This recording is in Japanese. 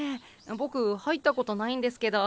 ボク入ったことないんですけど。